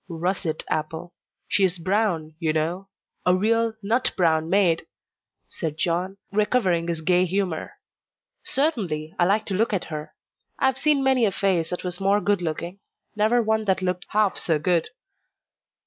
"Russet apple. She is brown, you know a real 'nut brown mayde,'" said John, recovering his gay humour. "Certainly, I like to look at her. I have seen many a face that was more good looking never one that looked half so good."